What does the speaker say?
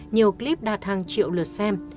nhiều clip đạt hàng triệu lượt xem